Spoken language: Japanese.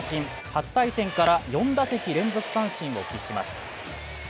初対戦から４打席連続三振を喫します。